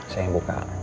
saya yang buka